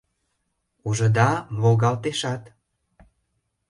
Ужыда, волгалтешат!